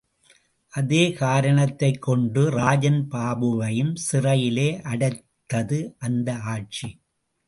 அதே காரணத்தைக் கொண்டு ராஜன் பாபுவையும் சிறையிலே அடைத்தது அந்த ஆட்சி.